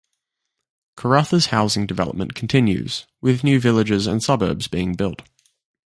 Karratha's housing development continues, with new villages and suburbs being built.